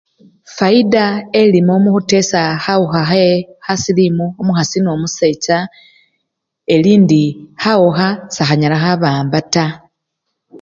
Fayida elimo mukhu teesta kha! khawukha khasilimu omukhasi nomusecha elindi, khawukha sekhanyala khabawamba taa.